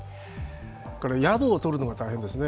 それから宿をとるのが大変ですね。